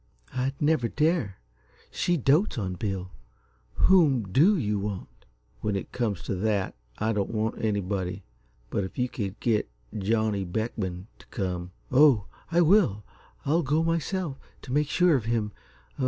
"I'd never dare. She dotes on Bill. Whom DO you want?" "When it comes to that, I don't want anybody. But if you could get Johnny Beckman to come " "Oh, I will I'll go myself, to make sure of him.